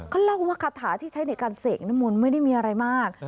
เขาเล่าว่าคาถาที่ใช้ในการเสกน้ำมนต์ไม่ได้มีอะไรมาก